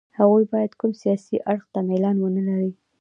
هغوی باید کوم سیاسي اړخ ته میلان ونه لري.